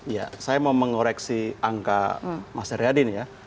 ya saya mau mengoreksi angka mas heryadin ya